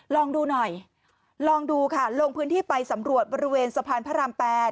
ลองดูหน่อยลองดูค่ะลงพื้นที่ไปสำรวจบริเวณสะพานพระราม๘